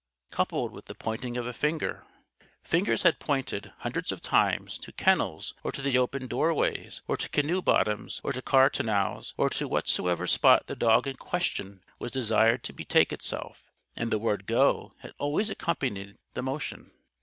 coupled with the pointing of a finger. Fingers had pointed, hundreds of times, to kennels or to the open doorways or to canoe bottoms or to car tonneaus or to whatsoever spot the dog in question was desired to betake himself. And the word "Go!" had always accompanied the motion.